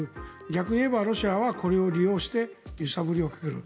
逆に言えばロシアはこれを利用して揺さぶりをかける。